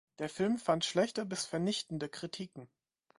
Der Film fand schlechte bis vernichtende Kritiken.